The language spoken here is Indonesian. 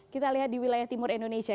kita lihat di wilayah timur indonesia